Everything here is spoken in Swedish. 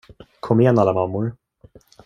Kom igen, alla mammor.